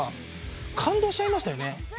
感動しちゃいましたよね。